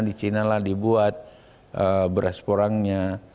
di cina lah dibuat beras porangnya